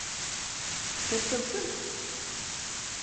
Fkant-am-ten?